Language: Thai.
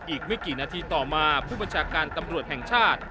อีกไม่กี่นาทีต่อมาผู้บัญชาการตำรวจแห่งชาติ